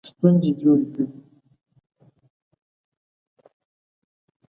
ستونزې جوړې کړې.